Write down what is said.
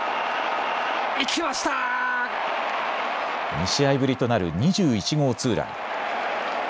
２試合ぶりとなる２１号ツーラン。